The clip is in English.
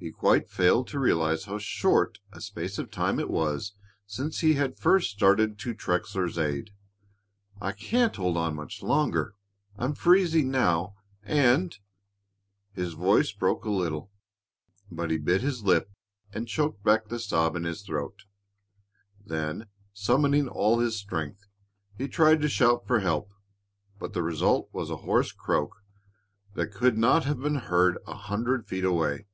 He quite failed to realize how short a space of time it was since he had first started to Trexler's aid. "I can't hold on here much longer. I'm freezing now, and " His voice broke a little, but he bit his lip and choked back the sob in his throat. Then, summoning all his strength, he tried to shout for help, but the result was a hoarse croak that could not have been heard a hundred feet away.